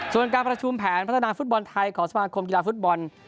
ส่วนการประชุมแผนพัฒนาฟุตบอลไทยของสมาคมกีฬาฟุตบอล